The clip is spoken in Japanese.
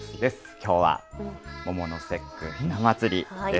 きょうは桃の節句、ひな祭りです。